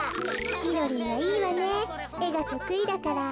みろりんはいいわねえがとくいだから。